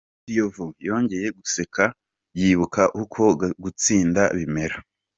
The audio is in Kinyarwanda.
Kiyovu yongeye guseka, yibuka uko gutsinda bimera.